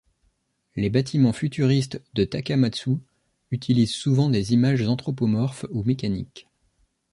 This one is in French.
Les bâtiments futuristes de Takamatsu utilisent souvent des images anthropomorphes ou mécaniques.